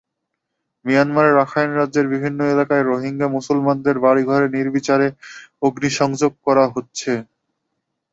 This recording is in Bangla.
মিয়ানমারের রাখাইন রাজ্যের বিভিন্ন এলাকায় রোহিঙ্গা মুসলমানদের বাড়িঘরে নির্বিচারে অগ্নিসংযোগ করা হচ্ছে।